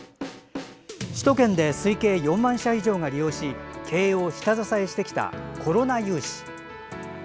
首都圏で推計４万社以上が利用し経営を下支えしてきたコロナ融資。